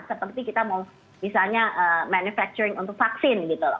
seperti kita mau misalnya manufacturing untuk vaksin gitu